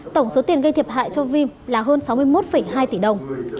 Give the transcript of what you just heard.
tổng số tiền gây thiệt hại cho vim là hơn sáu mươi một hai tỷ đồng